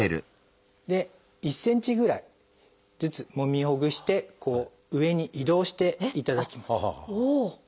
で１ｃｍぐらいずつもみほぐして上に移動していただきます。